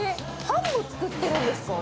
⁉パンも作ってるんですか？